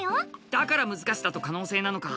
だから「難しさと可能性」なのか。